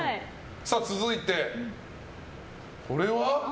続いて、これは？